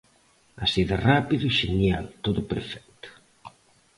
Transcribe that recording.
Así de rápido, xenial, todo perfecto.